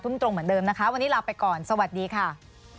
ตรงเหมือนเดิมนะคะวันนี้ลาไปก่อนสวัสดีค่ะ